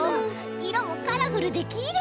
いろもカラフルでキレイ！